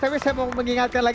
tapi saya mau mengingatkan